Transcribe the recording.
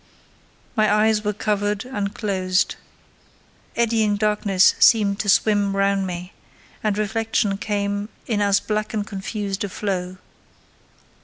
My eyes were covered and closed: eddying darkness seemed to swim round me, and reflection came in as black and confused a flow.